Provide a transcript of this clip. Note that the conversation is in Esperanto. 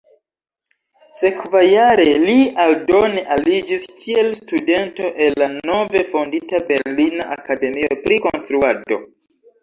Sekvajare li aldone aliĝis kiel studento en la nove fondita Berlina Akademio pri Konstruado.